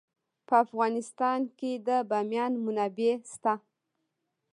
په افغانستان کې د بامیان منابع شته.